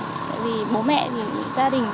tại vì bố mẹ gia đình